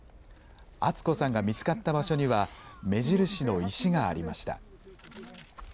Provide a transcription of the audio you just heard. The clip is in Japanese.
厚子さんが見つかった場所には目印の石がありました。